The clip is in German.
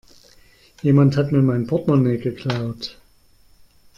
Jemand hat mir mein Portmonee geklaut.